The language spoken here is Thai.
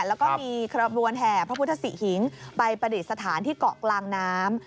แล้วก็มีขบวนแห่พระพุทธศิหิงไปประดิษฐานที่เกาะกลางน้ำ